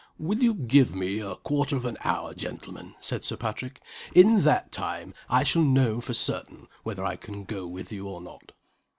"Will you give me a quarter of an hour, gentlemen?" asked Sir Patrick. "In that time I shall know for certain whether I can go with you or not."